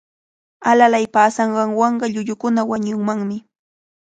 Alalay paasanqanwanqa llullukuna wañunmanmi.